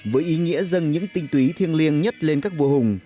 với ý nghĩa dâng những tinh túy thiêng liêng nhất lên các vua hùng